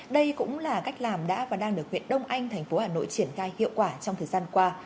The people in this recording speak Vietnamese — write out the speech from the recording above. đây cũng là cách làm đã và đang được huyện đông anh thành phố hà nội triển khai hiệu quả trong thời gian qua